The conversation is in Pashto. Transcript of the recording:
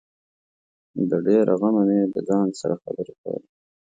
د ډېره غمه مې د ځان سره خبري کولې